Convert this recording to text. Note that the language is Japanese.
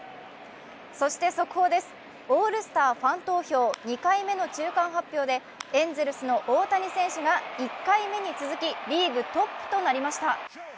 そして速報です、オールスターファン投票２回目の中間発表でエンゼルスの大谷選手が１回目に続き、リーグトップとなりました。